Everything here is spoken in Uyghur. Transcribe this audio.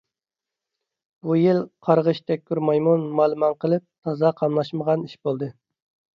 بۇ يىل قارغىش تەگكۈر مايمۇن مالىمان قىلىپ تازا قاملاشمىغان ئىش بولدى.